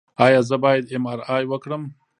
ایا زه باید ایم آر آی وکړم؟